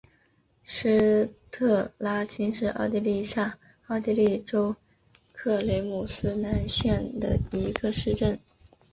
施特拉青是奥地利下奥地利州克雷姆斯兰县的一个市镇。